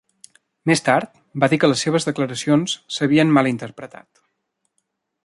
Més tard va dir que les seves declaracions s"havien mal interpretat.